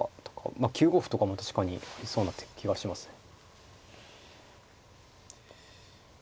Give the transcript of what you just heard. まあ９五歩とかも確かにありそうな気がしますね。